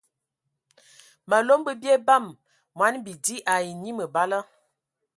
Malom bə bie bam mɔni bidi ai enyi məbala.